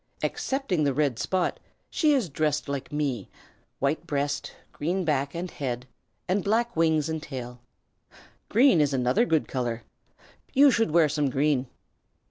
Excepting the red spot, she is dressed like me white breast, green back and head, and black wings and tail. Green is another good color. You should wear some green."